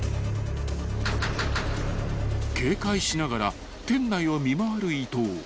［警戒しながら店内を見回る伊東］